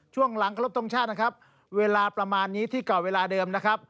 ช่วงหลังขอรบทรงชาตินะครับเวลาประมาณนี้ที่เกาะเวลาเดิมนะครับ